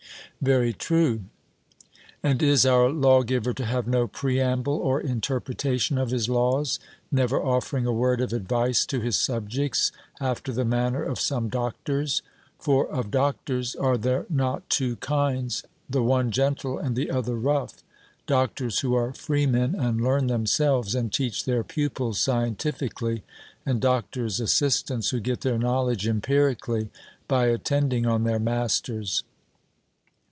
'Very true.' And is our lawgiver to have no preamble or interpretation of his laws, never offering a word of advice to his subjects, after the manner of some doctors? For of doctors are there not two kinds? The one gentle and the other rough, doctors who are freemen and learn themselves and teach their pupils scientifically, and doctor's assistants who get their knowledge empirically by attending on their masters?